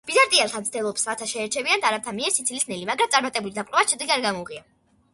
ბიზანტიელთა მცდელობებს, რათა შეეჩერებინათ არაბთა მიერ სიცილიის ნელი, მაგრამ წარმატებული დაპყრობა შედეგი არ გამოუღია.